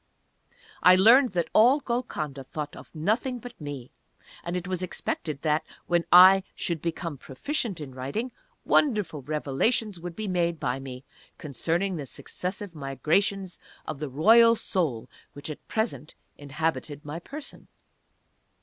I learned that all Golconda thought of nothing but me. And it was expected that, when I should become proficient in writing, wonderful revelations would be made by me, concerning the successive migrations of the Royal Soul which at present inhabited my person.